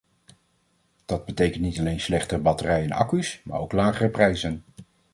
Dat betekent niet alleen slechtere batterijen en accu’s, maar ook lagere prijzen.